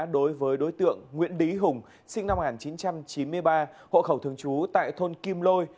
đối với đối tượng nguyễn bí hùng sinh năm một nghìn chín trăm chín mươi ba hộ khẩu thường trú tại thôn kim lôi